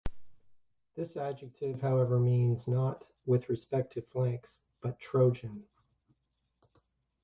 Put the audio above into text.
This adjective however means not "with respect to the flanks", but "Trojan".